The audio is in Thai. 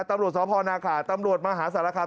ตำรวจสวพรณาค่ะตำรวจมหาศาลคาม